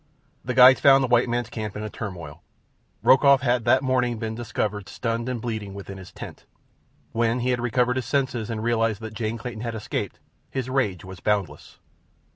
The guides found the white man's camp in a turmoil. Rokoff had that morning been discovered stunned and bleeding within his tent. When he had recovered his senses and realized that Jane Clayton had escaped, his rage was boundless.